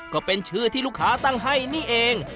ก็เป็นชื่อที่ลูกค้าตั้งให้นี่เอง